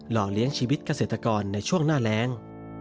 เลี้ยงชีวิตเกษตรกรในช่วงหน้าแรง